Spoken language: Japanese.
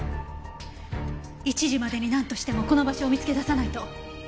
１時までになんとしてもこの場所を見つけ出さないと。